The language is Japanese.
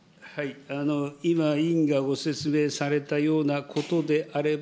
今、委員がご説明されたようなことであれば、